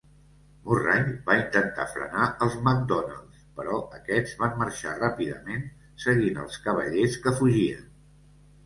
Murray va intentar frenar els MacDonalds, però aquests van marxar ràpidament seguint els cavallers que fugien.